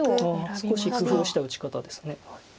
少し工夫した打ち方です。